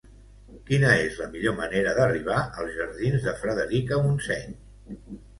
Quina és la millor manera d'arribar als jardins de Frederica Montseny?